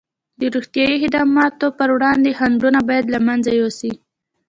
د روغتیايي خدماتو پر وړاندې خنډونه باید له منځه یوسي.